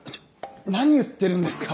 何言ってるんですか？